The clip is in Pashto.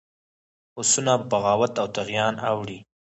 هوسونه په بغاوت او طغیان اوړي.